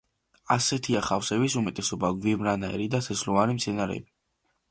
ასეთია ხავსების უმეტესობა, გვიმრანაირნი და თესლოვანი მცენარეები.